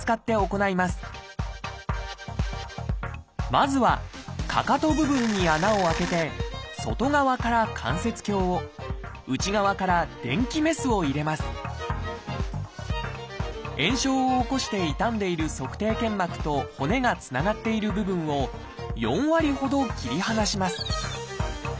まずはかかと部分に穴を開けて外側から関節鏡を内側から電気メスを入れます炎症を起こして傷んでいる足底腱膜と骨がつながっている部分を４割ほど切り離します